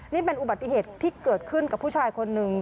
นี่เป็นอุบัติเหตุที่เกิดขึ้นกับผู้ชายคนหนึ่ง